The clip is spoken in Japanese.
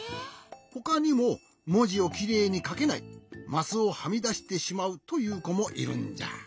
ほかにももじをきれいにかけないマスをはみだしてしまうというこもいるんじゃ。